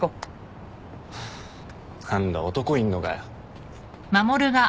ハァ何だ男いんのかよ。